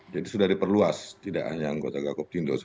jadi sudah diperluas tidak hanya anggota gakop tindo